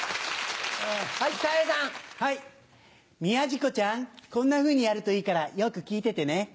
宮治子ちゃんこんなふうにやるといいからよく聞いててね。